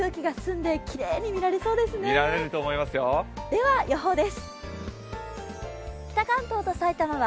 では予報です。